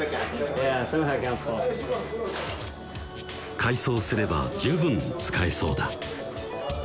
改装すれば十分使えそうだ